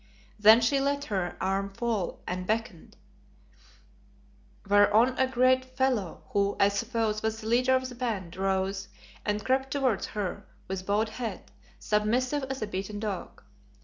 Then she let her arm fall and beckoned, whereon a great fellow who, I suppose, was the leader of the band, rose and crept towards her with bowed head, submissive as a beaten dog.